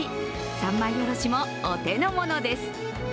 三枚おろしも、お手のものです。